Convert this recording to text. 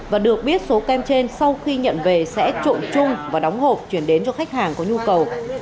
và được biết số kem trên sau khi nhận về sẽ trộn chung và đóng hộp chuyển đến cho khách hàng có nhu cầu